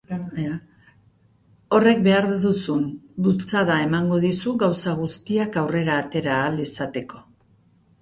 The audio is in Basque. Horrek behar duzun bultzada emango dizu gauza guztiak aurrera atera ahal izateko.